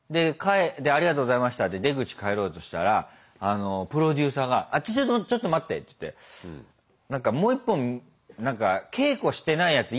でありがとうございましたって出口帰ろうとしたらプロデューサーがちょっと待ってちょっと待ってっつって何かもう一本何か稽古してないやつ